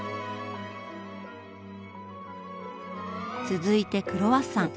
続いてクロワッサン。